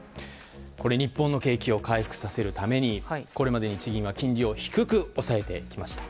日本の景気を回復させるためにこれまで日銀は金利を低く抑えてきました。